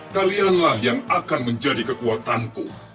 kalianlah yang akan menjadi kekuatanku